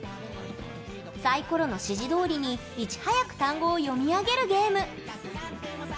サイコロの指示どおりにいち早く単語を読み上げるゲーム。